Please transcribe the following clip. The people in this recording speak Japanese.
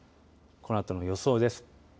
このあとの予想です。